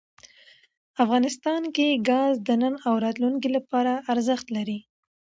افغانستان کې ګاز د نن او راتلونکي لپاره ارزښت لري.